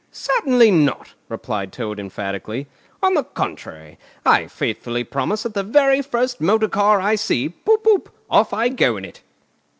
"Certainly not!" replied Toad emphatically. "On the contrary, I faithfully promise that the very first motor car I see, poop poop! off I go in it!"